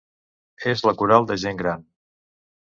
És la coral de gent gran.